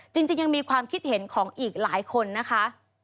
จริงยังมีความคิดเห็นของอีกหลายคนนะคะ